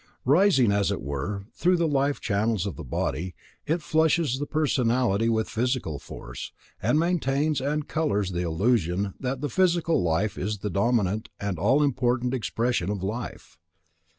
Rising, as it were, through the life channels of the body, it flushes the personality with physical force, and maintains and colours the illusion that the physical life is the dominant and all important expression of life.